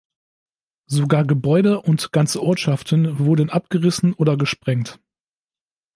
Sogar Gebäude und ganze Ortschaften wurden abgerissen oder gesprengt.